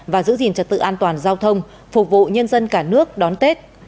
và giữ gìn trật tự an toàn giao thông phục vụ nhân dân cả nước đón tết